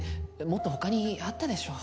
もっと他にあったでしょ。